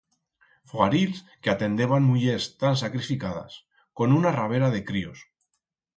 Fogarils que atendeban mullers tan sacrificadas, con una rabera de críos.